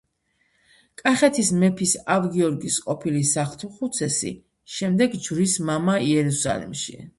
კახეთის მეფის ავ-გიორგის ყოფილი სახლთუხუცესი, შემდეგ ჯვრის მამა იერუსალიმში.